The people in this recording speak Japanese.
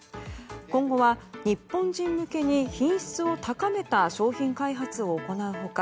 今後は日本人向けに品質を高めた商品開発を行う他